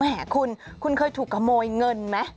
แหมคุณคุณเคยถูกขโมยเงินไหม